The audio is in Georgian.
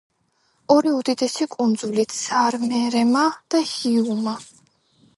ორი უდიდესი კუნძულით: საარემაა და ჰიიუმაა.